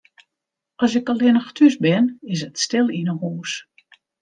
As ik allinnich thús bin, is it stil yn 'e hûs.